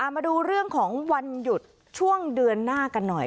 มาดูเรื่องของวันหยุดช่วงเดือนหน้ากันหน่อย